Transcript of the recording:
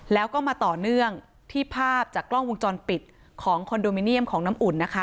แล้วก็มาต่อเนื่องที่ภาพจากกล้องวงจรปิดของคอนโดมิเนียมของน้ำอุ่นนะคะ